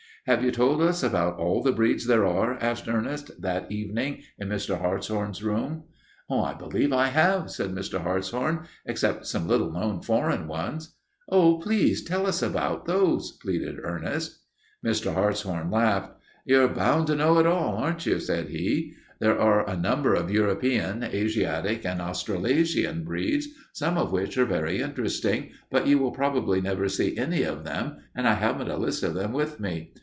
"Have you told us about all the breeds there are?" asked Ernest that evening in Mr. Hartshorn's room. "I believe I have," said Mr. Hartshorn, "except some little known foreign ones." "Oh, please tell us about those," pleaded Ernest. Mr. Hartshorn laughed. "You're bound to know it all, aren't you?" said he. "There are a number of European, Asiatic, and Australasian breeds, some of which are very interesting, but you will probably never see any of them and I haven't a list of them with me.